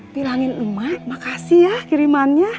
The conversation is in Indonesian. bilangin lemak makasih ya kirimannya